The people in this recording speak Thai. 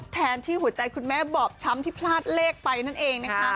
แทนที่หัวใจคุณแม่บอบช้ำที่พลาดเลขไปนั่นเองนะคะ